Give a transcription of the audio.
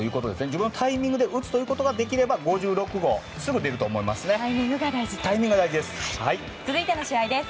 自分のタイミングで打つことができれば５６号はすぐ出ると思います。